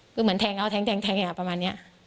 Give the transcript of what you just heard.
คือเหมือนแทงเอาแทงประมาณนี้